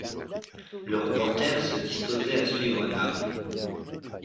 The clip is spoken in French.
Le reporter se disposait à suivre Nab